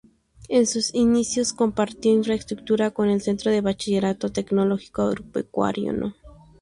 En sus inicios compartió infraestructura con el Centro de Bachillerato Tecnológico Agropecuario No.